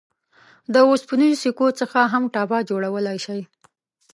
د اوسپنیزو سکو څخه هم ټاپه جوړولای شئ.